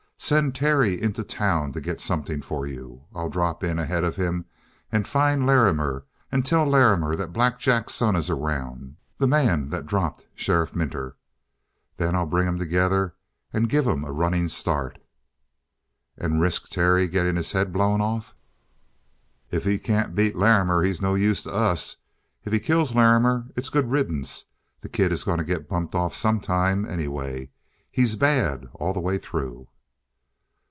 Send Terry into town to get something for you. I'll drop in ahead of him and find Larrimer, and tell Larrimer that Black Jack's son is around the man that dropped Sheriff Minter. Then I'll bring 'em together and give 'em a running start." "And risk Terry getting his head blown off?" "If he can't beat Larrimer, he's no use to us; if he kills Larrimer, it's good riddance. The kid is going to get bumped off sometime, anyway. He's bad all the way through."